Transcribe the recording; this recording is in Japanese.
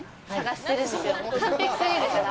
完璧過ぎるから。